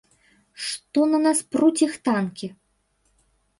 Што, на нас пруць іх танкі?